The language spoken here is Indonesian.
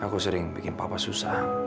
aku sering bikin papa susah